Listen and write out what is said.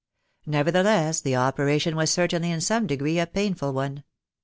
Nevertheless, the operation was certainly in some degree a painful one.